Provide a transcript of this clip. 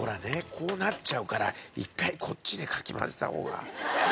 こうなっちゃうから一回こっちでかき混ぜた方がよかったんだよ